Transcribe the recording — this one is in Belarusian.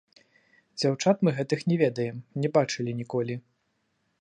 Дзяўчат мы гэтых не ведаем, не бачылі ніколі.